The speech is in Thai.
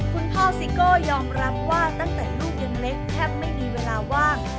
คุณพ่อซิโก้ยอมรับว่าตั้งแต่ลูกยังเล็กแทบไม่มีเวลาว่าง